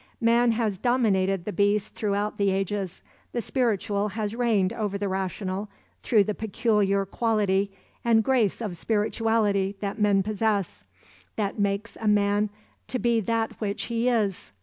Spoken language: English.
Man has dominated the beasts throughout the ages, the spiritual has reigned over the rational through the peculiar quality and grace of spirituality that men possess, that makes a man to be that which he is.